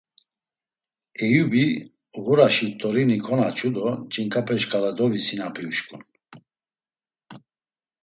Eyubi ğuraşi t̆orini konaçu do ç̌inǩape şǩala dovisinapi uşǩun.